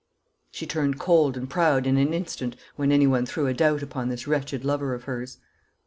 She turned cold and proud in an instant when anyone threw a doubt upon this wretched lover of hers.